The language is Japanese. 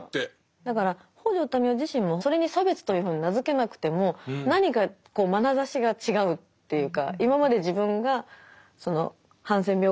だから北條民雄自身もそれに差別というふうに名付けなくても何か眼差しが違うっていうか